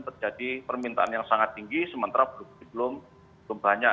terjadi permintaan yang sangat tinggi sementara belum banyak